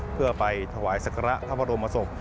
เพื่อไปถวายศักระพระบรมศพ